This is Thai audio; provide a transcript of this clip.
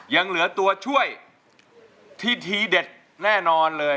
ยังเหลือตัวช่วยที่ทีเด็ดแน่นอนเลย